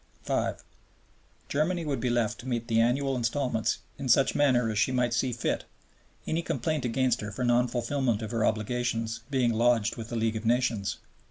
(5) Germany would be left to meet the annual instalments in such manner as she might see fit, any complaint against her for non fulfilment of her obligations being lodged with the League of Nations.